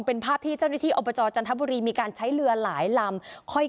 เป็นภาพที่เจ้าหน้าที่อบจจันทบุรีมีการใช้เรือหลายลำ